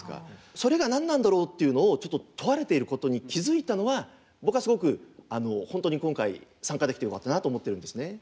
それが何なんだろうっていうのをちょっと問われていることに気付いたのは僕はすごく本当に今回参加できてよかったなと思ってるんですね。